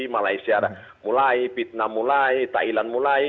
malaysia mulai vietnam mulai thailand mulai